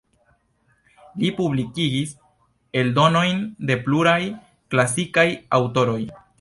Li publikigis eldonojn de pluraj klasikaj aŭtoroj.